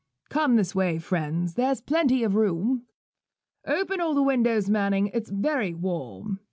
'Come this way, friends: there's plenty of room.' 'Open all the windows, Manning: it's very warm.'